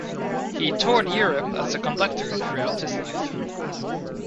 He toured Europe as a conductor throughout his life.